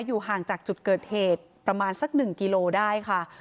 อยู่ห่างจากจุดเกิดเหตุประมาณสัก๑กิโลได้ค่ะ